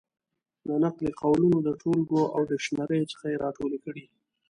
د نقل قولونو د ټولګو او ډکشنریو څخه یې را ټولې کړې.